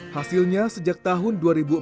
hasilnya sejak tahun dua ribu empat